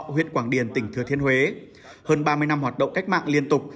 huyết quảng điền tỉnh thừa thiên huế hơn ba mươi năm hoạt động cách mạng liên tục